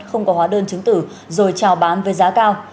không có hóa đơn chứng tử rồi trào bán với giá cao